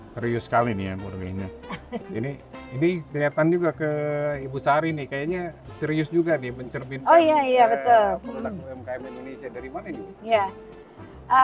serius sekali nih ya murninya ini kelihatan juga ke ibu sari nih kayaknya serius juga nih mencerminkan produk umkm indonesia dari mana dulu